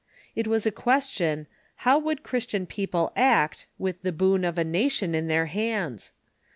It was a question, how Avould Christian people act, with the boon of a nation in their hands